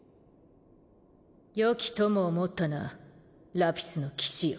よき友を持ったなラピスの騎士よ。